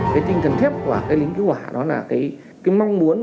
cái tinh thần thiếp của cái lính cứu hỏa đó là cái mong muốn